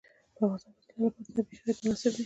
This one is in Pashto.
په افغانستان کې د لعل لپاره طبیعي شرایط مناسب دي.